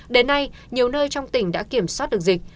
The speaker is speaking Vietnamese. đến nay nhiều nơi trong tỉnh đã kiểm soát được dịch